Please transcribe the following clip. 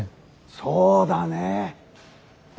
そうだねえ。